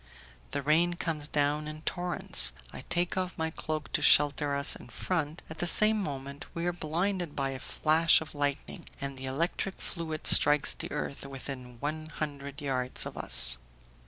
The rain comes down in torrents, I take off my cloak to shelter us in front, at the same moment we are blinded by a flash of lightning, and the electric fluid strikes the earth within one hundred yards of us.